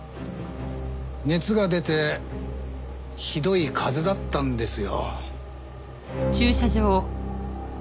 熱が出てひどい風邪だったんですよ。